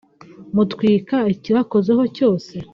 mutwika ikibakozeho cyose